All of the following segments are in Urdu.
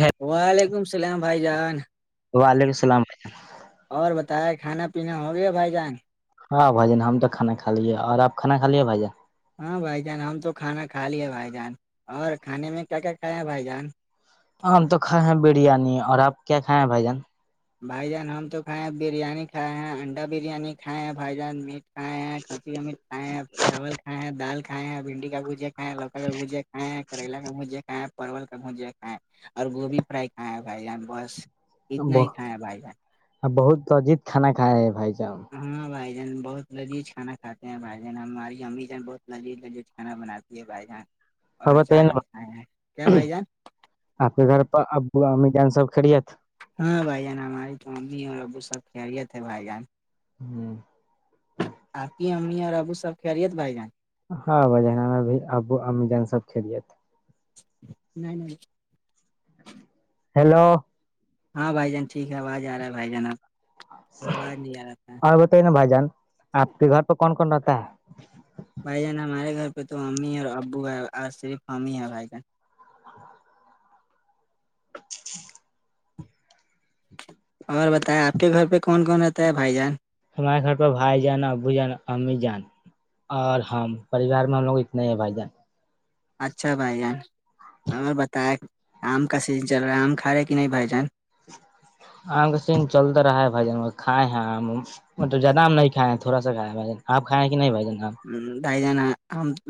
ہے وعلیکم السلام بھائی جان وعلیکم السلام اور بتایا کھانا پینا ہوگیا بھائی جان [unintelligible] ہاں بھائی جان ہم تو کانا کھا لیے اور آپ کھا کھا لیے بھائی جان ہاں بھائی جان ہم تو کھانا کھا لیا بھائی جان اور کھانے میں کیا کیا کھیا بھائی جان ہم تو کھائے ہیں بریانی اور آپ کیا کھائے ہیں بھائی جان بھائی جان ہم تو کھائے ہیں بریانی کھائے ہیں انڈا بریانی کھائے ہیں بھائی جان میٹ کھائے ہیں کھچی کا مرچ کھائے ہیں چاول کھائے ہیں دالھائے ہیں بھنڈی کابوج جےھائےیں لوکا کا بھجے کھائے ہیں کریلا کا بھجے کھائے ہیں پرل کاھوجے کھائے ہیں [unintelligible] اور گوبھی فرائی کھا بھائی جان بس اتنا ہی کھائے ہیں بھائی جان بہت تو اجیت کھانا کھائے بھائی جان ہاں بھائی جان بہت لذیذ کھانا کھاتے ہیں بھائی جان ہماری امی جان بہت لذیذ لذیذھانا بناتی ہے بائی جان اور ہاں بتائیے چار نا بیس آ کیا آائی جا [unintelligible] آپ کے گھر پہ ابو ا میدان سب خڑت ہاں بائی ہے ن ہم آاری [unintelligible] ممی اور ابو سب خیریت بائی جان [unintelligible] ہوں [unintelligible] آپ ہی امی اور ابو سب کہرییےت بھائی جان [unintelligible] ہاں بجن میں بھی ابو امی جان سب کھیلت [unintelligible] نہیں نہیں ہیلو ہاں بھائی جان ٹھیک ہے آواز آ رہا ہے بھائی جان آپ [unintelligible] آواز نہیں آ رہا اور تھا بتائیے نا بھائی جان آپ کے گھر پہ کون کون رہتا ہے بھائی جان ہمارے گھر پہ تو امی اور ابو ہے اور صرف امی ہے بھائی جان اور بتائیں آپ کے گھر پہ کون کون رہتا ہے بھائی جان ہمارے گھر پہ بھائی جانا ابو جانا امی جانا [unintelligible] اور ہم پریوار میں ہم لوگ اتنے ہی بائی جان اچھا بھائی جان اور بتیں آم کا سیزن چل رہا ہے آم کھا رہا کہ نہیں بھائی جان آ کا سین چلتا رہا ہے بھجن کھ ہیں [unintelligible] مطلب زیادہ ہم نہیں کھائےیں تھوڑا س کھیا بھائی آپ کھائے ہیں کہ نہیں بھجن آپ [unintelligible] بھائی جان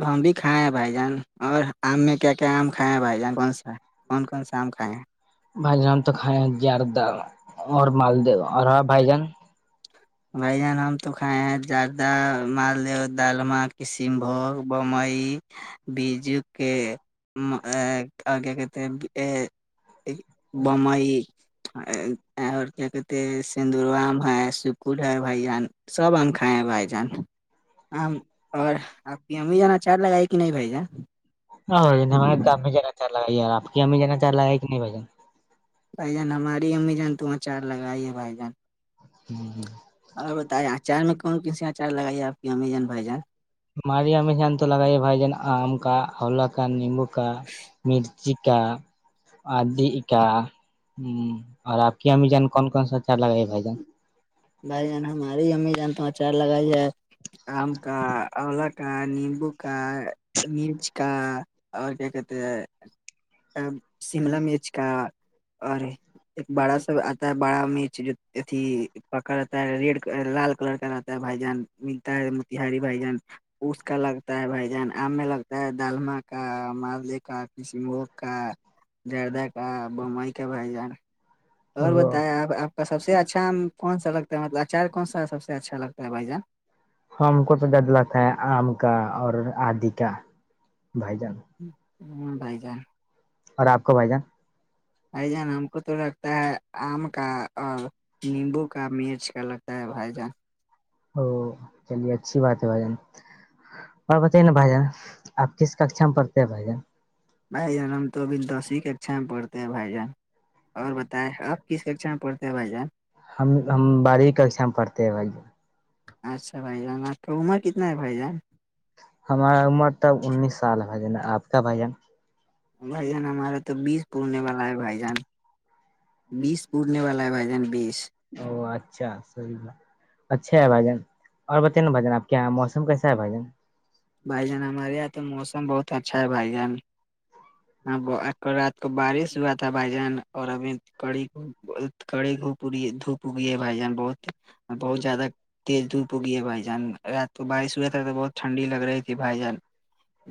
ہم بھی کھائے ہیں بھائی جان اور آم میں کیا کیا آم کھائے ہیں بھائی جان کون سا کون کون سا آم کھائے ہیں بھائی نام تو کھائے یاردہ اور مالد اور بھائی جان [unintelligible] بھ جان ہم تو کھائے ہیں زیادہ مالد دال ما کسین بھوگ [unintelligible] بمبئی بیجو کے آگے کہتے [unintelligible] بامائی [unintelligible] اور کیا کہتے سندوروم ہے س [unintelligible] کل ہے بھائی جان سب آگ کائے بھائی جان اور آپ کی ہم بھی جانا چاارج لگائے کہ نہیں بھائی جان [unintelligible] ہ ہم تو ا جانا چاہ رہ ہے ار آپ امی جانا چاہ رہ ہے کہ نہیں بن [unintelligible] بھائی جان ہماری امی جان تو وہاں چار لگائیے بھائی جان ہی ہ [unintelligible] اور بتائییں اچار میں کون کونی اچار لگائی آپ کی امیزان بھائیجان [unintelligible] مارییا مشان تو لگائیے بھائی جان آم کا حلا کا نیمبو کا مرچی آدی کا ہ اور آپ کی امی جان کون کون [unintelligible] کون ساچا لگے گ بائی جان [unintelligible] بھائی جان ہماری امی جان تو اچار لگاائی جائے آم کا اولا کا نیمبو کا مرچ کا [inaudible] اور کیا کہتے ہیں شملا مرچ کا اور ایک باڑا سب آتا ہے باڑا مچ جو اھی پکڑ آتا ہے ریڈ لال کلر کا رہتا ہے بھائی جان ملتا ہے متہاری بھائی جان اس کا لگتا ہے بھجان آم میں لگتا ہے دالم کا مالے کا کشمبوگ کا دردہ کا بمبئی کا بھائی جان اور بتائیں آپ آپ کا سب سے اچھا کون سا لگتا ہے مطلب اچار کون سا سب سے اچھا لگتا ہے بھائی جان ہم کو تو جدلتا ہے آم کا اور آدی کا بھائی جان ہ بھائی جان اور آپ کو بھائی جان بھائی جان ہم کو تو لگتا ہے آم کا اور نیمبو کا مرچ کا لگتا ہے بھائی جان ا چلیے اچھی بات ہے بھائی جان اور جان بتائیے نا بھ جان آپ کس ککھا میں پڑتے ہیں بھائی جان بھائی جان ہم تو ابھی دس ہی اچھا میں پڑھتے ہیں بائی جان اور بتائیں آپ کس ککشا میں پڑتے ہیں بھائی جان ہم باری ککشا میں پڑتے بھائی اچھا بھائی جان آپ کا عمر کتنا ہے بھائی جان ہمارا عمر تب انیس سال بھ جنا آپ کا بھجن بھائی جان ہمارا تو بیس پورنے والا ہے بھائی جان بیس پورنے والا ہے بھائی جان بیس او اچھا س کا اچھا ہے بھائی جان اور بت نا بھائین آپ کے یہاں موسم کیسا ہے بھائی جان بھائی جان ہمارے یہاں تو موسم بہت اچھا ہے بھائی جاناں رات تو بارش ہوا تھا بھائی جان اور ابھی کڑی کڑی گھوپ پی دھوپ پگے بھائی جان بہت بہت زیادہ تیز دھوپ ہو گ ہے بھائی جان رات کو بارش ہوا تھا تو بہت ٹھنڈی لگ رہی تھی بھائی جان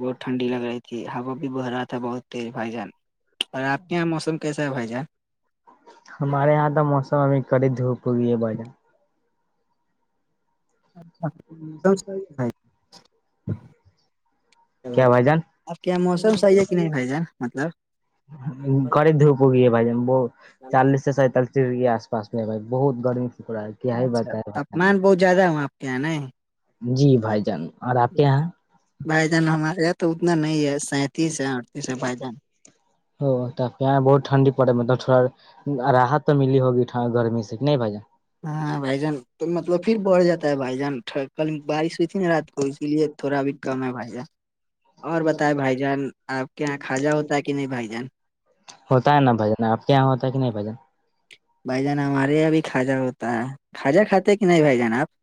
بہت ٹھنڈی لگ رہی تھی ہوا بھی بہ رہا تھا بہت تیز بھائی جان اور آپ کے یہاں موسم کیسا ہے بھائی جان ہمارے یہاں تو موسم ابھی کی دھوپ ہوگئی ہے بجہ [inaudible] آب کیا بھائی کے یہاں موسم صحیح ہے کہ نہیں بھائی جان مطلب گڑے دھوپگی بجیں وہ چالیس سے سینتالس کے آس پا میں با بہت گرمی پکا ہے کیا ہی اچھا بتائے بھائی تاپمان بہت زیادہ ہے وہ آپ کے یہ آنا ہے جی بھائی جان اور آپ کے یہاں بھائی جان ہمارے یہاں تو اتنا نہیں ہے سینتیس ہے اڑتیس ہے بھائی جان ا پہاں بہت ٹھنڈی پڑے ہے مطلب تھوڑا راحت تو ملی ہوگی گرمی سے نہیں بجہ ہاں بھائی جان تو مطلب پھر بڑھ جاتا ہے بھائی جان ٹھیک کل بارش ہوئی تھی نا رات کو اسی لیے تھوڑا بھی کم ہے بھائی ج اور بتائے بھائی جان آپ کے یہاں کھاجا ہوتا ہے کہ نہیں بھائی جان ہوتا ہے نا بجن آپ کے یہاں ہوتا ہے کہ نہیں بھجن بھائی جان ہمارے یہاں بھی کھاجا ہوتا ہے کھاجا اے کھاتے کہ نہیں بھائی س جان آپ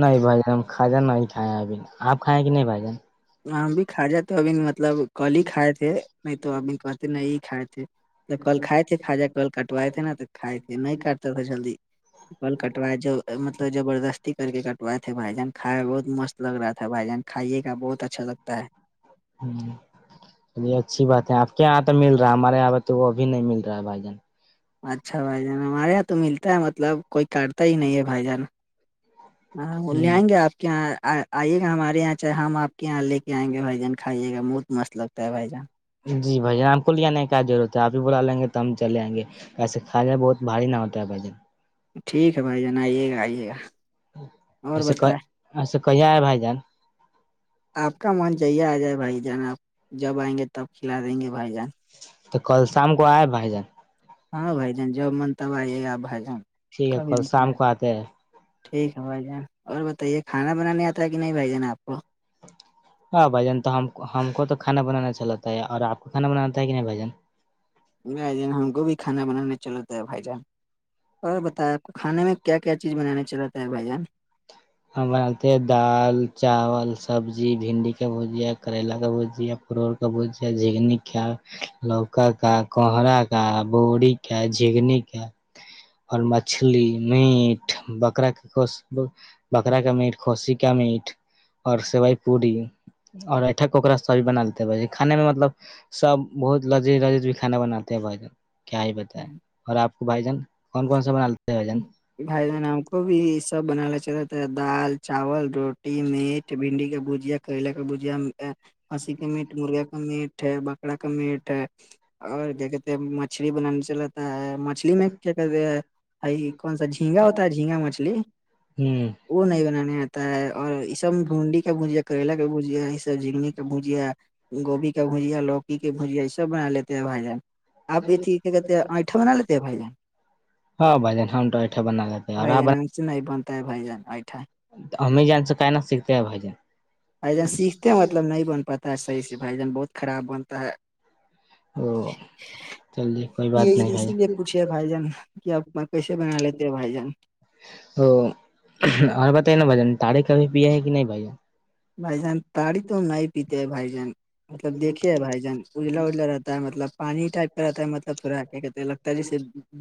نہیں بھائی جان ہم کھجان نہیں کھائے ہیں ابھی آپ کھائ ہیں کہ نہیں بھ جان وہ بھی کھا جات تو ابھی مطلب کل ہی کھائے تھے نہیں تو ابمی کہتےے نہیں ہی کھائے تھے کل کھائے تھے خاجہ کل کٹوائے تھے نا تو کائے تھے نہیں کاٹتے تھے جلدی پل کٹوائے جو مطلب زبردستی کر کے کٹوائے تھے بھائی جان کھا بہت مست لگ رہا تھا بھائی جان کھائیے کا بہت اچھا لگتا ہے ہ یہ اچھی بات ہے آپ کے یہاں تو مل رہا ہے ہمارے یہاں پہ تو وہ ابھی نہیں مل رہا ہے بھائی جان اچھا بھائی جان ہمارے یہاں تو ملتا ہے مطلب کوئی کاٹتا ہی نہیں ہے بھائی جان ہاں وہ لے آئیں گے آپ کے یہاں آئیے گا ہمارے یہاں چاہے ہم آپ کے یہاں لے کے آئیں گے بھائی جان کھائیے گا بہت مست لگتا ہے بھائی جان جی بھائی جان آ ہم کو ل آنے کا ضرورت ہے آپ ہی بلا لیں گے تو ہم چلے آیں گے ایسے کھے بہتھاری نہ ہوتا ہے بھ ج ٹھیک ہے بھائی جان آئیے گا آئیے گا اور ایچسا ک بتائے ایچسا کہیا آئے بھائی جان آپ کا من جیے آ جائے بھائی جان آپ جب آئیں گے تب کھلا دیں گے بھائی جان تو کل شام کو آئے بھائی جان ہاں بھ جان جب من تب آ آپ بھ جان ٹھیک ہے کبھی کل م کلا شام کو آتے ہیں ٹھیک ہے بھائی جان اور بتائیے کھانا بنانے آتا ہے کہ نہیں بھائی جان آپ کو ہاں بھجان تو ہم کو تو کھانا بنانا چلاتا ہے اور آپ کو کھانا بناتا ہے کہ نہیں بھجن بھائی جان ہم کو بھی کھانا بنانا چلتا ہے بھائی جان اور بت آپ کو کھانے میں کیا کیا چیز بنانے چلاتا ہے بھائی جان ہم بناتتے ہیں دال چاول سبزی بھنڈی کا بھجیا کرل کا بھجیا کا ب ج کیا لوکا کا کوہرا کا بووری کا جگنی کا اور مچھلی میٹ بکرا کی کو بکرا کا میٹ کسی کا میٹ اور سیوئی پورڑی اور اٹھ کوکا سا بھی بنا لیتے ب کانے میں مطلب سب بہت لذیذ لذیذ بھی کھانا بناتے ہیں بھائی جن کیا ہی بتائے اور آپ کو بھائی جان کون کون سا بنا لیتے ہیں بھ جن بھائی بہن ہم کو بھی یہ سب بنا چاہتا تھا دال چاول روٹی میٹ بھنڈی کا بھجیا کرلا کا بھجیا ہنسی کا میٹ مرغ کا میٹ ہے بکرا کا میٹ ہے اور کیا کہ مچھلی بنان سےلاتتا ہے مچھلی میں کیا کہتے بھائی کون سا جھینگا ہوتا ہے جھینگا مچھلی ہوں وہ نہیں بنانے آتا ہے اور اس سب بھونڈی کا بجیا کریلا کا بھجیا اس سب جگنی کا بھجیا گوبھی کا بھجیا لوکی کے بھجیا یہ سب بنا لیتے ہیں بھ جان آپ یہتھی کیا کہتے ہیں آئٹا منا لیتے ہیں بھائی جان ہاں بھائین ہم توٹٹھا بنا دیتے اور بھائی آپ جان ہم نہیں بنتا ہے بھائی جان ایٹھ ا ہممی جن سے کائی نہا سیککتے ہے بھائیان بھ جان سیکھتے مطلب نہیں بن پاتا ہے صحیح سے بھائی جان بہت خراب بنتا ہے تو یہ اسی لیے پوچھے بھائی جان کہ آپ کیسے بنا لیتے ہیں بھائی جان ا اور بتائیے نا بھائین تڑے کبھی پے ہیں کہ نہیں بھ بائی جان تڑ ہی تو نہیں پیتے ہے بائی جان مطلب دھیے بھائی جان اجلا اجلا رہتا ہے مطلب پانی ٹائپ کا رہتا ہے مطلب تھوڑا کہتے لگتا جیس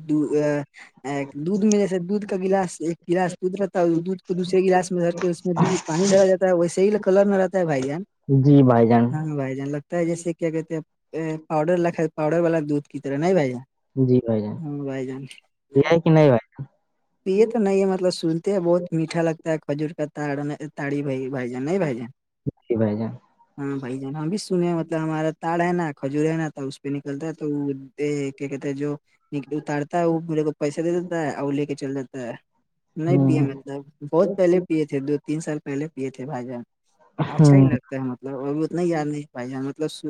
دو ا ایک دودھ میں جیس دودھ کا گلاس ایک گلاس دودھ رہکھتا ہے دودھ کو دوسے گلاس میں دھر کے اس میں دودھ پانی ڈا جاتا ہے ویے سیل کلر میں رہتا ہے بھائی جان جی بھائی جان ہاں بھائی جان لگتا ہے جیسے کیا کہتے ہیں پاؤڈر وال پاؤڈر والا دودھ کی طرح نہیں بھ جان ہاں بھ جان یہ کہ نہیں ب پ یہ تو نہیں ہے مطلب سنتے ہیں بہت میٹا لگتا ہے کھجور کا تا تڑی بھائی بھائی نہیں بھائی جی بھائی جان ہاں بھائی جان ہم بھی سنے مطلب ہمارا تاڑ ہے نا کھجور ہے نا تو اس پہ نکلتا ہے تو وہ یہ کیا کہتے ہیں جو اتارتا ہے وہ میرے کو پیسہ دے دیتا ہے اور لے کے چل جاتتا ہے نہیں پیا مطلب بہت پہلے پیے تھے دو تین سال پہلے پیے تھے بھائی جان اچھا ہی ہ لگ مطلب ابھی اتنا ہی یاد نہیں پائے مطلب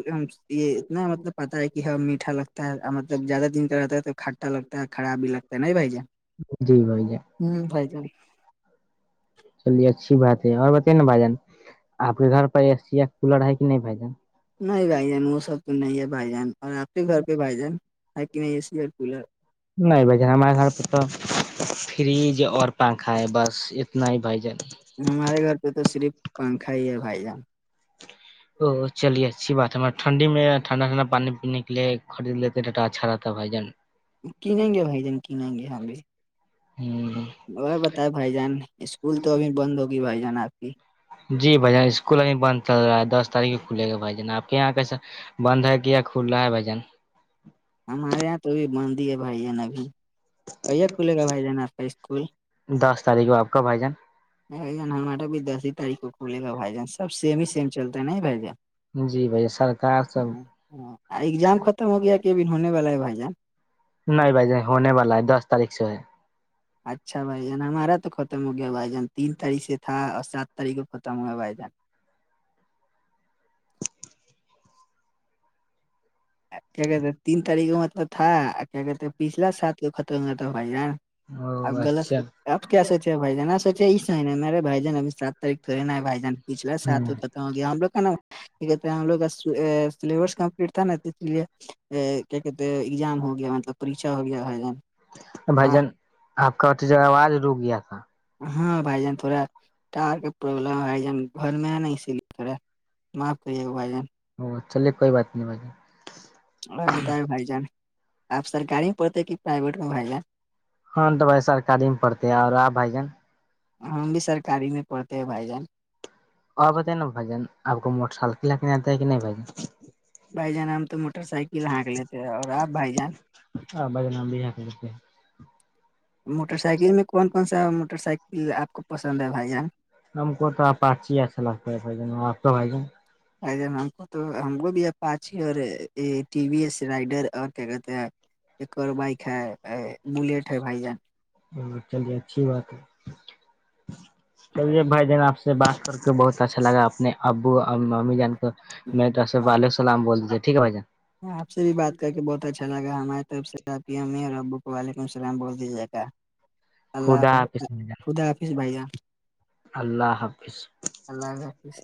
یہ اتنا مطلب پتا ہے کہ ہ میٹھا لگتا ہے جب زیادہ دن کا رہتا توب کھٹا لگتا ہے اور خراب بھی لگتا ہے نہیں بھائی جان جی بھا ی جن ہوں بائی جان چلیے اچھی بات ہے اور بتا نا بھائی جان آپ کے گھر پر اے سی یا کولر ہے کہ نہیں بھائی جان نہیں بھائی جان وہ سب تو نہیں ہے بھائی جان اور آپ کے گھر پہ بھائی جان ہیکن میں اے سی اور کولر نہیں بھ جن ہمارے گھر پہ تو فریج اور پنکھا ہے بس اتنا ہی بائی جائے گا ہمارے گھر پہ تو صرف پنکھا ہی ہے بھائی جان او چلیے اچھی بات ہے ہم ٹھنڈی میں ٹھنڈا ٹھنڈا پانی پنے کے لیے خرید لیتے ک اچھا رہاتا بائی جان کینیں گے بھائی جان کینیں گے ہم بھی ہوں اور بتائے بھائی جان اسکول تو ابھی بند ہوگی بھائی جان آپ کی جی بھائی جان اسکول ابھی بند چل رہا ہے دس تاریخ کھلے گا بھائی جان آپ کے یہاں کیسا بند ہے کیا کھل رہا ہے بھجن ہمارے یہاں تو ابھی بندی ہے بھائی ہے ن ابھی کییا کھلے گا بھائی جان آپ کا اسکول دس تاریخ کو آپ کا بھائی نہیں بھائی جان ہمارا بھی دس ہی تاریخ کو کھلے گا بھائی جان سب سیم ہی سیم چلتا ہے ن بھائی جان جی بھائی جان سرکار سب اگزام ختم ہو گیا کے ہونے والا ہے بھائی جان نہیں بھائی جن ہونے والا ہے دس تاریخ سے ہے اچھا بھائی جان ہمارا تو ختم ہو گیا بھائی جان تین تاریخ سے تھا اور سات تاریخ کو ختم ہوا بھائی جان کیا کہتے تین تاریخ کا مطلب تھا کیا کہتے پچھلا ساتال کو ختم ہوا تھا بھائی یار او ا گلس اچھا اب کیا سوچے بائی جان آ سوچے یہ س ہےا میرے بھائی جن اب سات تاریخ تو ہےا ہے بھائی جان پچھلا ہ ساتوں تک گیا ہم لوگ کا نا ہم لوگ کا سلیبس کمپلیٹ تھا نا اس لیے کیا کہتے ایگزام ہو گیا مطلب پریچھا ہو گیا ہے بھائی جان آپ کا جگہ آواز رک گیا تھا ہاں بھائی جان تھوڑا ٹار کا پرابلم ہے بھائی جان گھر میں ہے نا اسی لیے تھڑا معاف کریے گا بھائیان او چلیے کوئی بات نہیں بھائیی اور بت بھائی جان آپ سرکاری میں پڑتے کہ پرائیویٹ میں بھائی جان ہم تو بھائی سرکاری میں پڑتے ہے اور آ بھائی جان ہم بھی سرکاری میں پڑھتے ہیں بھائی جان اور بت نا بھجن آ کو موٹر سائل کے ل کے آتا ہے کہ نہیں بھن بھائی جان ہم تو موٹر سائیکل ہانک لیتے اور آپ بھائی جان ہاں بھاجن ہم بھی ہایمک لئےتے ہیں موٹر سائیکل میں کون کون سا موٹر سائیکل آپ کو پسند ہے بھائی جان ہم کو تو آپ پچ ہی اچھا لگتا ہے بھائی ج آپ کا بھائی جان ج ہم کو تو ہم کو بھی پانچ ہی اور ٹی وی ایس رائڈر اور کیا کہتے ہیں ایک اور بائک ہے بلیٹ ہے بھائی جان چلیے اچھی بات ہے چلیے بھائی جان آپ سے سے بات کر کے بہت اچھا لگا اپنے ابو ممی جان تو میںب عل سلام بولتے تھےٹھیک ہے بھائی جان آپ سے بھی بات کر کے بہت اچھا لگا ہماری طرف سے آپ ا اور ابو کو وعلیکم السلام بول دی ج گا اللہ خدا حافاس خدا حافظ بھائی جان اللہ حافاس اللہ حافظ